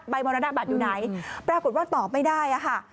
มรณบัตรอยู่ไหนปรากฏว่าตอบไม่ได้อะค่ะ